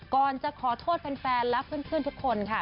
ก่อนจะขอโทษแฟนและเพื่อนทุกคนค่ะ